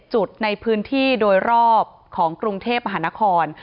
จุดในพื้นที่โดยรอบของกรุงเทพมหานคร